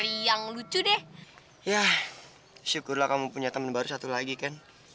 yah syukurlah kamu punya temen baru satu lagi kan